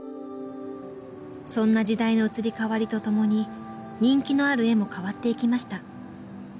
「そんな時代の移り変わりとともに人気のある絵も変わっていきました」